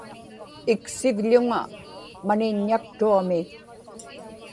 iksivḷuŋa maniññaktuami